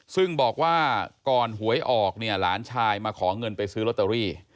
ซึ่งบอกว่าก่อนหวยออกเนี่ยหลานชายมาขอเงินไปซื้อลอตเตอรี่